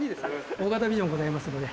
大型ビジョンがございますので。